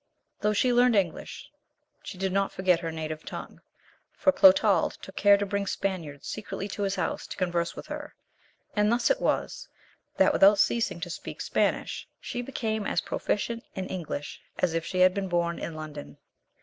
Though she learned English, she did not forget her native tongue, for Clotald took care to bring Spaniards secretly to his house to converse with her, and thus it was, that without ceasing to speak Spanish, she became as proficient in English as if she had been born in London.